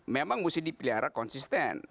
memang mesti dipilih arah konsisten